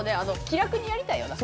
気楽にやりたいよな。